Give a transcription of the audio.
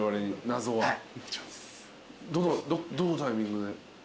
どのタイミングで。